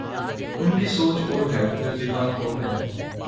ان کی سوچ اور ہے، ترجیحات اور ہیں۔